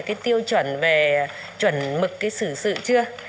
cái tiêu chuẩn về chuẩn mực cái xử sự chưa